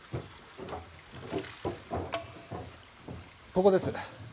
ここです。